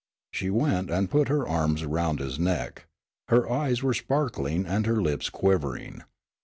She went and put her arms around his neck. Her eyes were sparkling and her lips quivering.